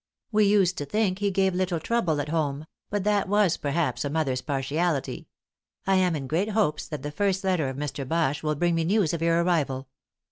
We used to think he gave little trouble at home; but that was, perhaps, a mother's partiality. I am in great hopes that the first letter of Mr. Bache will bring me news of your arrival.